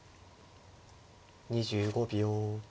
２５秒。